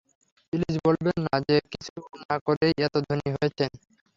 Please বলবেন না যে, কিছু না করেই এত ধনী হয়েছেন।